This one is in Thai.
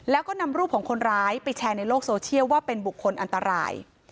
แล้วก็นำรูปของคนร้ายไปแชร์ในโลกโซเชียลว่าเป็นบุคคลอันตราย